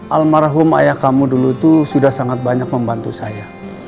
almarhum ayah kamu dulu itu sudah sangat banyak membantu saya